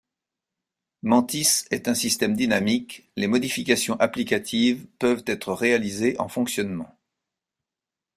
Mantis est un système dynamique, les modifications applicatives peuvent être réalisées en fonctionnement.